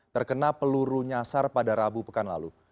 terkena peluru nyasar pada rabu pekan lalu